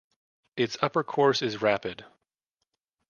Its upper course is rapid.